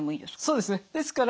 そうですね。